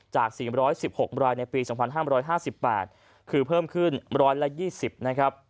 จาก๔๑๖รายในปี๒๕๕๘คือเพิ่มขึ้น๑๒๐นะครับ